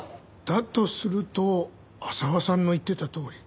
だとすると浅輪さんの言ってたとおり。